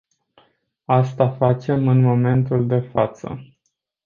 Asta facem în momentul de față.